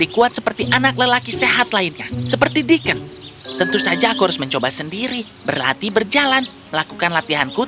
pulanglah anakmu membutuhkanmu